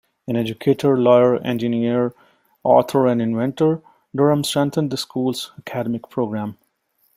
An educator, lawyer, engineer, author and inventor, Durham strengthened the school's academic program.